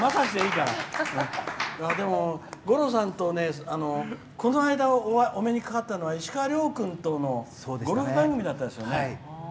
五郎さんとこの間、お目にかかったのは石川遼君とのゴルフ番組だったですね。